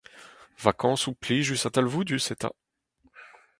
Vakañsoù plijus ha talvoudus eta.